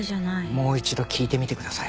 もう一度聞いてみてください。